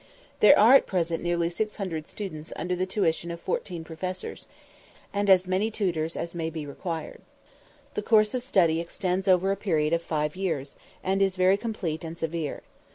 There are at present nearly 600 students under the tuition of 14 professors, and as many tutors as may be required. The course of study extends over a period of 5 years, and is very complete and severe.